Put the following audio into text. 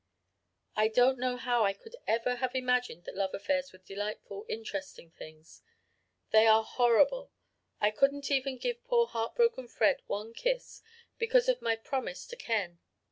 "I don't know how I could ever had imagined that love affairs were delightful, interesting things. They are horrible. I couldn't even give poor heartbroken Fred one little kiss, because of my promise to Ken.